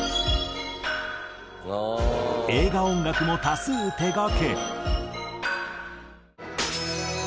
映画音楽も多数手がけ。